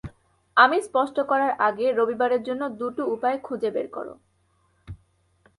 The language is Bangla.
আমি স্পষ্ট করার আগে রবিবারের জন্য দুটো উপায় খুঁজে বের করো।